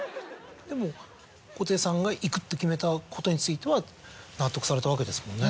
でも布袋さんが行くって決めたことについては納得されたわけですもんね。